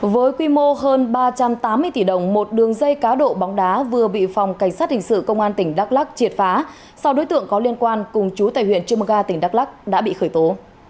với quy mô hơn ba trăm tám mươi tỷ đồng một đường dây cá độ bóng đá vừa bị phòng cảnh sát hình sự công an tỉnh đắk lắc triệt phá sau đối tượng có liên quan cùng chú tại huyện trư mơ ga tỉnh đắk lắc đã bị khởi tố